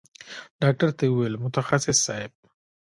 ډاکتر ته يې وويل متخصص صايب.